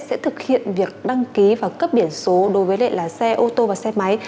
sẽ thực hiện việc đăng ký và cấp biển số đối với lệ là xe ô tô và xe máy